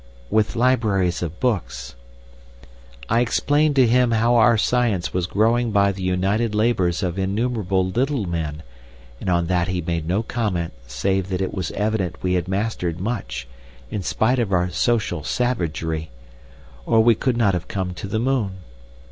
] with libraries of books. I explained to him how our science was growing by the united labours of innumerable little men, and on that he made no comment save that it was evident we had mastered much in spite of our social savagery, or we could not have come to the moon.